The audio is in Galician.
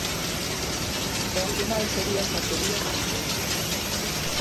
E a final sería sete días despois.